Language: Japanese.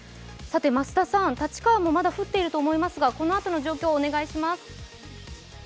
増田さん、立川もまだ降っていると思いますがこのあとの状況をお願いします。